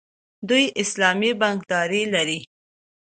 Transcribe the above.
دوی اسلامي بانکداري لري.